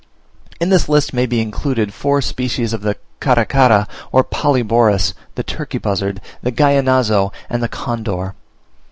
In this list may be included four species of the Caracara or Polyborus, the Turkey buzzard, the Gallinazo, and the Condor.